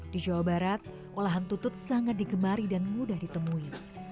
di jawa barat olahan tutut sangat digemari dan mudah ditemui